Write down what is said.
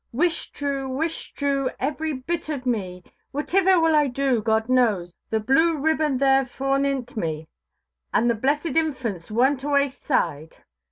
"Whishtrew, whishtrew, every bit of me! Whativer will I do, God knows. The blue ribbon there forenint me, and the blessed infants one to aich side"!